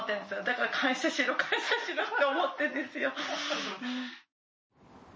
だから感謝しろ感謝しろって思っているんですよ。